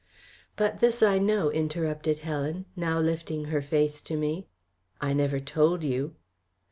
"But this I know," interrupted Helen, now lifting her face to me. "I never told you."